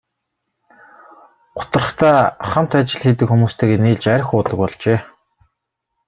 Гутрахдаа хамт ажил хийдэг хүмүүстэйгээ нийлж архи уудаг болжээ.